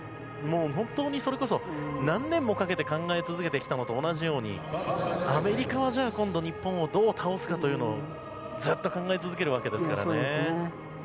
本当にそれこそ何年もかけて考え続けてきたのと同じようにアメリカは今度は日本をどう倒すかというのをずっと考え続けるわけですからね。